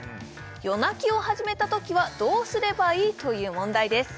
夜泣きを始めたときはどうすればいい？という問題です